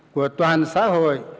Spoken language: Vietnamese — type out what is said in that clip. của toàn xã hội